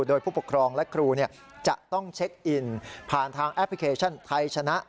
โดยผู้ปกครองและครูจะต้องเช็คอินผ่านทางแอปพลิเคชันไทยชนะ